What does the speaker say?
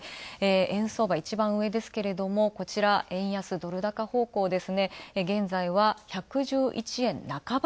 円相場、いちばんうえですけれどもこちら円安ドル高方向です